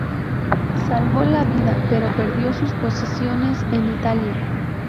Salvó la vida, pero perdió sus posesiones en Italia.